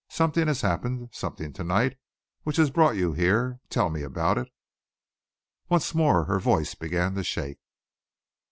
Something has happened, something to night, which has brought you here. Tell me about it?" Once more her voice began to shake.